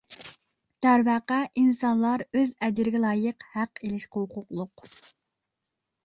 دەرۋەقە، ئىنسانلار ئۆز ئەجرىگە لايىق ھەق ئېلىشقا ھوقۇقلۇق.